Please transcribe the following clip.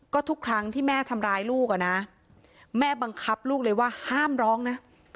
ก็ทุกครั้งที่แม่ทำร้ายลูกอ่ะนะแม่บังคับลูกเลยว่าห้ามร้องนะ